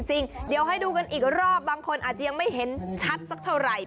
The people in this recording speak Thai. กลับไปดูกันอีกรอบบางคนอาจจะยังไม่เห็นชัดสักเท่าไหร่